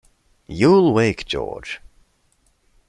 You'll wake George.